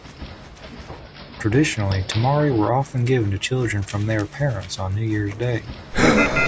Traditionally, temari were often given to children from their parents on New Year's Day.